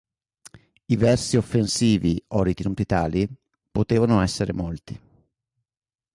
I versi offensivi, o ritenuti tali, potevano essere molti.